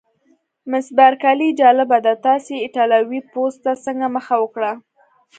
مس بارکلي: جالبه ده، تاسي ایټالوي پوځ ته څنګه مخه وکړه؟